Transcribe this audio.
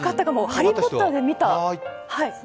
「ハリー・ポッター」で見た。